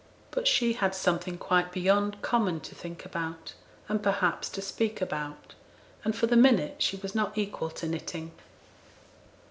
But she had something quite beyond common to think about, and, perhaps, to speak about; and for the minute she was not equal to knitting.